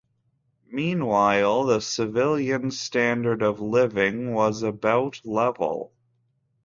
Meanwhile, the civilian standard of living was about level.